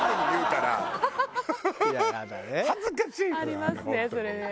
ありますねそれね。